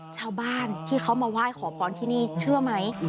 ชาวบ้านที่เขามาไหว้ขอพรที่นี่เชื่อไหม